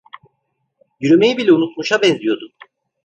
Yürümeyi bile unutmuşa benziyordu.